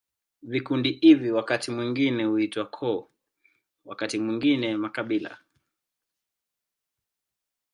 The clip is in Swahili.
Vikundi hivi wakati mwingine huitwa koo, wakati mwingine makabila.